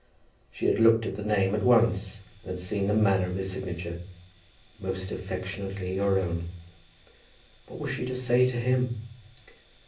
She had looked at the name at once, and had seen the manner of his signature. "Most affectionately your own!" What was she to say to him?